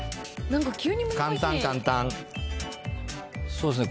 そうですね。